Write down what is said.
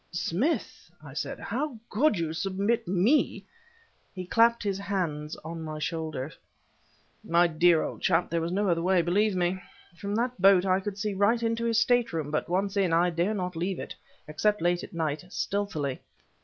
"Smith!" I said "how could you submit me..." He clapped his hands on my shoulders. "My dear old chap there was no other way, believe me. From that boat I could see right into his stateroom, but, once in, I dare not leave it except late at night, stealthily!